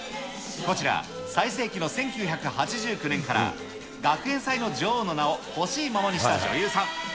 こちら、最盛期の１９８９年から学園祭の女王の名をほしいままにした女優さん。